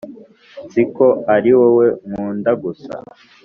nzi ko ari wowe nkunda gusa